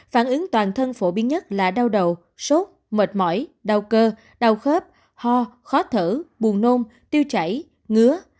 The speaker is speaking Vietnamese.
phản ứng toàn thân phổ biến nhất là đau đầu sốt mệt mỏi đau cơ đau khớp ho khó thở buồn nôn tiêu chảy ngứa